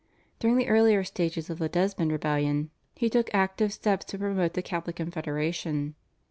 During the earlier stages of the Desmond rebellion he took active steps to promote the Catholic confederation.